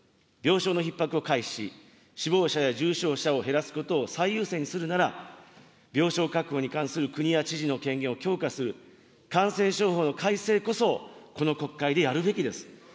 病床のひっ迫を回避し、死亡者や重症者を減らすことを最優先にするなら、病床確保に関する国や知事の権限を強化する、感染症法の改正こそ、この国会でやるべきです。